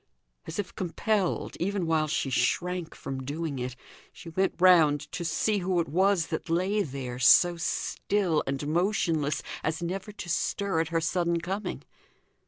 As if compelled, even while she shrank from doing it, she went round to see who it was that lay there, so still and motionless as never to stir at her sudden coming.